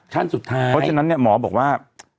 เพราะฉะนั้นเหมือนหมอบอกว่า